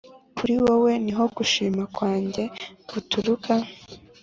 Kuri wowe ni ho gushima kwanjye guturuka